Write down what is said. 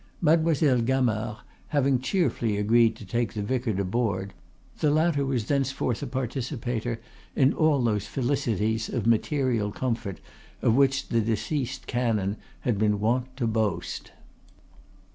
Mademoiselle Gamard having cheerfully agreed to take the vicar to board, the latter was thenceforth a participator in all those felicities of material comfort of which the deceased canon had been wont to boast.